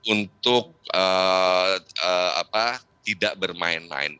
untuk tidak bermain main